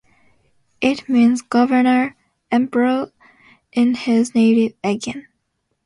It means "Governor (Emperor)" in his native Akan.